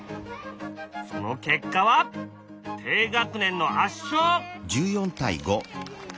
その結果は低学年の圧勝！